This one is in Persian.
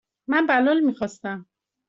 من بلال میخواستم.